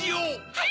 はい！